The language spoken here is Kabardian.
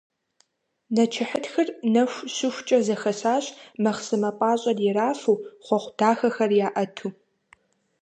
Нэчыхьытхыр нэху щыхукӏэ зэхэсащ, мэхъсымэ пӏащӏэр ирафу, хъуэхъу дахэхэр яӏэту.